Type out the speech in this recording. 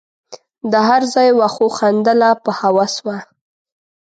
د هر ځای وښو خندله په هوس وه